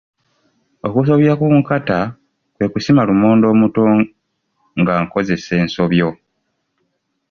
Okusobya ku nkata kwe kusima lumonde omuto nga nkozesa ensobyo.